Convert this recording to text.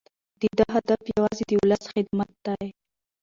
د ده هدف یوازې د ولس خدمت دی.